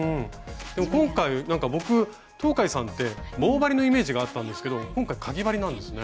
でも今回僕東海さんって棒針のイメージがあったんですけど今回かぎ針なんですね。